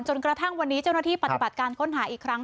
จนกระทั่งวันนี้เจ้าหน้าที่ปฏิบัติการค้นหาอีกครั้ง